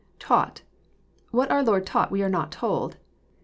[Taught.'] What our Lord taught we are not told.